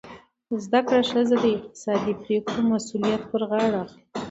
زده کړه ښځه د اقتصادي پریکړو مسؤلیت پر غاړه اخلي.